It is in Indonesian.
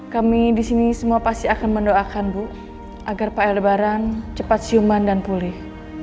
kami di sini semua pasti akan mendoakan bu agar pl lebaran cepat siuman dan pulih